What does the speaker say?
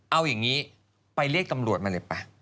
เอาอย่างนี้ไปเรียกตำรวจมาเลยไป